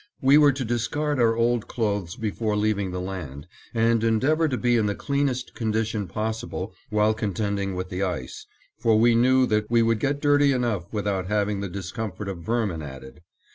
We were to discard our old clothes before leaving the land and endeavor to be in the cleanest condition possible while contending with the ice, for we knew that we would get dirty enough without having the discomfort of vermin added.